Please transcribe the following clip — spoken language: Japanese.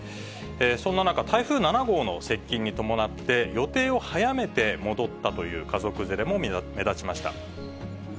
そんな中、台風７号の接近に伴って、予定を早めて戻ったという家族連れも目立ちました。